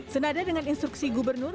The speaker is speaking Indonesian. senada dengan instruksi gubernur